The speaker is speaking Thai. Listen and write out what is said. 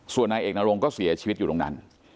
ส่วนนายเอกนรงก็เสียชีวิตอยู่ตรงนั้น